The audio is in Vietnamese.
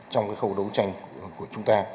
trong cái khâu đấu tranh của chúng ta